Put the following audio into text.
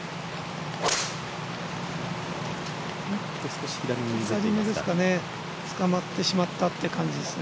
少し左目ですかね、つかまってしまったという感じです。